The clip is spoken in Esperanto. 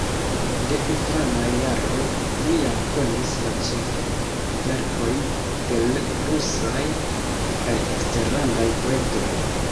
De infanaj jaroj li jam konis la ĉefverkojn de l' rusaj kaj eksterlandaj poetoj.